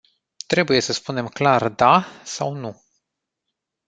Trebuie să spunem clar "da” sau "nu”.